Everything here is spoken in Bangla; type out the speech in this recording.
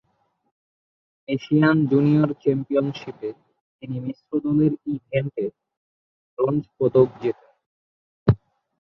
এশিয়ান জুনিয়র চ্যাম্পিয়নশিপে তিনি মিশ্র দলের ইভেন্টে ব্রোঞ্জ পদক জেতেন।